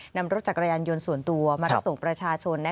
นำรถจักรยานยนต์ส่วนตัวมารับส่งประชาชน